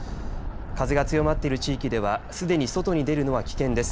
風が強まっている地域ではすでに外に出るのは危険です。